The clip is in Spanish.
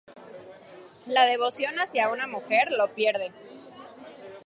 La devoción hacia una mujer lo pierde.